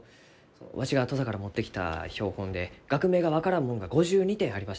わしが土佐から持ってきた標本で学名が分からんもんが５２点ありました。